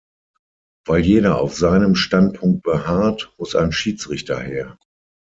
Weil jeder auf seinem Standpunkt beharrt, muss ein Schiedsrichter her.